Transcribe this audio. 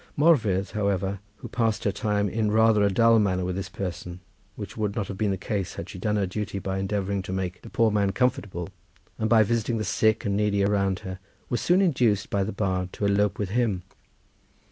Morfudd, however, who passed her time in rather a dull manner with this person, which would not have been the case had she done her duty by endeavouring to make the poor man comfortable, and by visiting the sick and needy around her, was soon induced by the bard to elope with him.